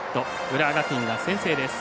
浦和学院が先制です。